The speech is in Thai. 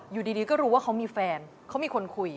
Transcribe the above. อยู่ดีก็รู้ว่าเขามีแฟนเขามีคนคุย